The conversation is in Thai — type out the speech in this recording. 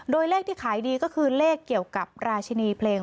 โดยเลขที่ขายดีก็คือเลขเกี่ยวกับราชินีเพลง